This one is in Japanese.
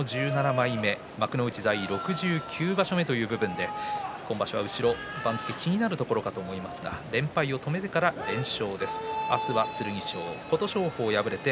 幕内在位６９場所目ということで今場所後ろ番付気になるところだと思いますが連敗を止めてから４連勝です。